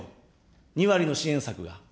２割の支援策が。